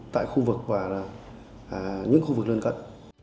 tại khu vực và những khu vực lân cận